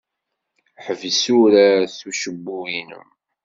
Ḥbes urar s ucebbub-nnem.